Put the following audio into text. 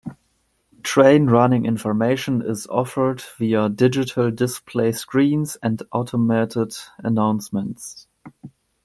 Train running information is offered via digital display screens and automated announcements.